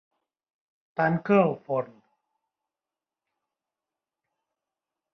Tanca el forn.